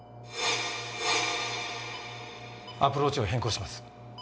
アプローチを変更します。